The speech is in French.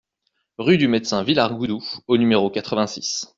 Rue Medecin Jean Vialar Goudou au numéro quatre-vingt-six